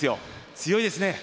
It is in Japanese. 強いですね。